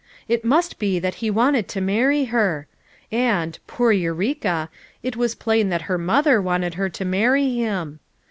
It must be that he wanted to marry her! And— poor Eureka— it was plain that her mother wanted her to marry him.